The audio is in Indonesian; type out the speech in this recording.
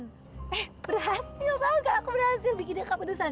eh berhasil banget aku berhasil bikinnya kepedesan